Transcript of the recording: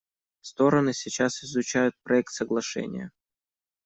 Стороны сейчас изучают проект соглашения.